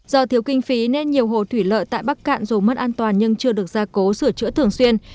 do thiếu kinh phí nên nhiều hồ thủy lợi tại bắc cạn dù mất an toàn nhưng chưa được gia cố sửa chữa thường xuyên